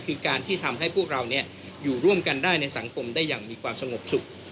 คือการที่ทำให้พวกเราอยู่ร่วมกันได้ในสังคมได้อย่างมีความสงบสุข